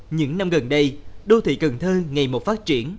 những năm gần đây đô thị cần thơ ngày một phát triển